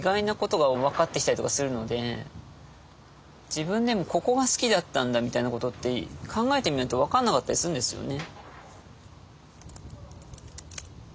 自分でも「ここが好きだったんだ」みたいなことって考えてみると分かんなかったりするんですよね。